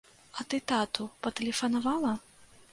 А ты тату патэлефанавала?